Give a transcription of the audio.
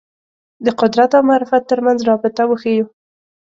د قدرت او معرفت تر منځ رابطه وښييو